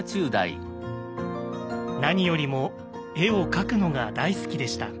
何よりも絵を描くのが大好きでした。